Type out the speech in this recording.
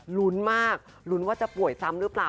ลุ้นมากลุ้นว่าจะป่วยซ้ำหรือเปล่า